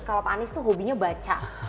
kalau pak anies itu hobinya baca